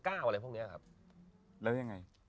อะไรพวกนี้ครับแล้วยังไง